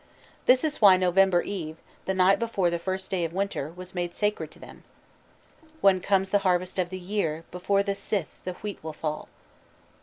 This is why November Eve, the night before the first day of winter, was made sacred to them. "When comes the harvest of the year Before the scythe the wheat will fall."